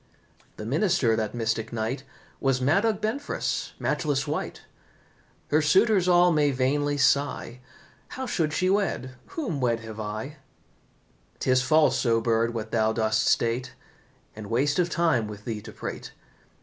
The minister that mystic night Was Madog Benfras, matchless wight. Her suitors all may vainly sigh, How should she wed, whom wed have I? 'Tis false, O Bird, what thou dost state, And waste of time with thee to prate.